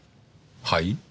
はい？